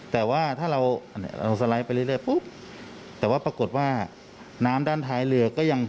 แต่ว่าถ้าเราสไลด์ไปเรื่อยปุ๊บแต่ว่าปรากฏว่าน้ำด้านท้ายเรือก็ยัง